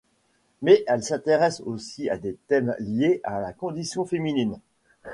Mais elle s'intéresse aussi à des thèmes liés à la condition féminine.